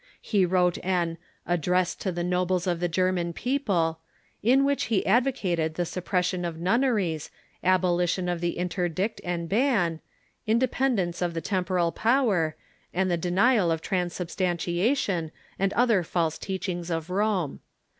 He wrote an " Address to the Nobles of the German People," in which he advocated the suppres sion of nunneries, abolition of the interdict and ban, indepen dence of the temporal power, and the denial of transubstantia tion and other false teachings of Rome.